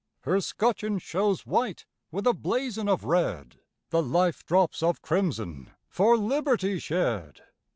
Her scutcheon shows white with a blazon of red, The life drops of crimson for liberty shed.